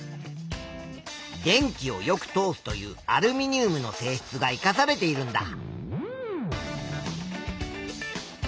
電気をよく通すというアルミニウムの性質が生かされているんだ。